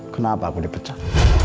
kenapa aku dipencet